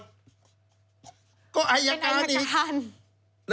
เป็นอายการ